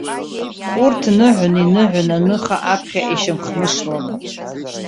Урҭ ныҳәон, иныҳәон аныха аԥхьа ишьамхнышланы.